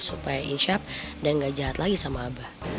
supaya isyap dan gak jahat lagi sama abah